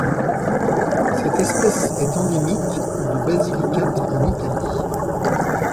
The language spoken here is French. Cette espèce est endémique de Basilicate en Italie.